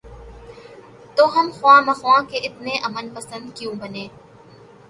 تو ہم خواہ مخواہ کے اتنے امن پسند کیوں بنیں؟